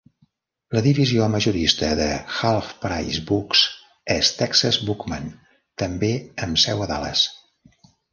La divisió majorista de Half Price Books és Texas Bookman, també amb seu a Dallas.